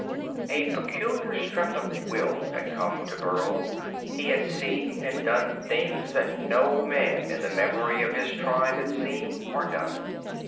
A peculiar strength of will had come to Burl. He had seen and done things that no man in the memory of his tribe had seen or done.